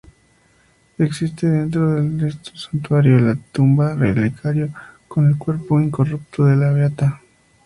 Existe dentro de esto santuario la tumba-relicario con el cuerpo incorrupto de la Beata.